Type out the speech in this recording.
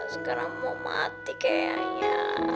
sekarang mau mati kayaknya